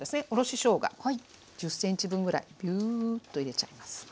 おろししょうが１０ｃｍ分ぐらいビューッと入れちゃいます。